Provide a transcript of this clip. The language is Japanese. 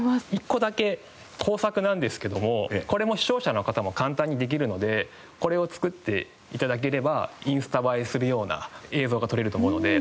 １個だけ工作なんですけどもこれも視聴者の方も簡単にできるのでこれを作って頂ければインスタ映えするような映像が撮れると思うので。